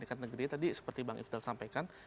dekat negeri tadi seperti bang ifdal sampaikan